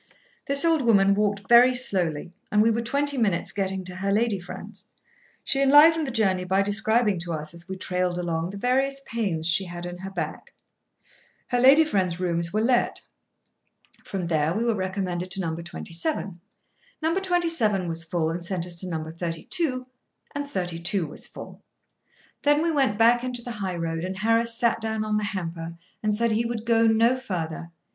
This old woman walked very slowly, and we were twenty minutes getting to her lady friend's. She enlivened the journey by describing to us, as we trailed along, the various pains she had in her back. Her lady friend's rooms were let. From there we were recommended to No. 27. No. 27 was full, and sent us to No. 32, and 32 was full. Then we went back into the high road, and Harris sat down on the hamper and said he would go no further.